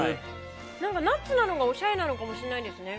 ナッツなのがおしゃれなのかもしれないですね。